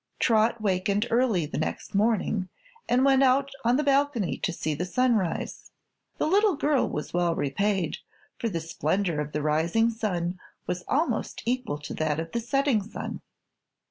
Trot wakened early the next morning and went out on the balcony to see the sunrise. The little girl was well repaid, for the splendor of the rising sun was almost equal to that of the setting sun.